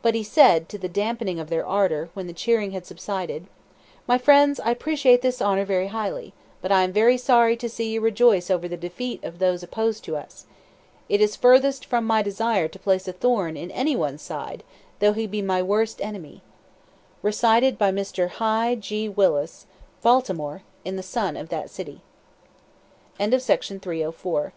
But he said, to the dampening of their ardor, when the cheering had subsided: "My friends, I appreciate this honor very highly, but I am very sorry to see you rejoice over the defeat of those opposed to us. It is furthest from my desire to place a thorn in any one's side, though he be my worst enemy." (Recited by Mr. Hy. G. Willis, Baltimore, in the Sun of that city.) THE LINCOLN PLAN OF CAMPAIGN.